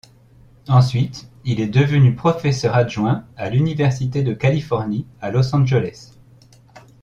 Ensuite, il est devenu professeur adjoint à l'Université de Californie à Los Angeles.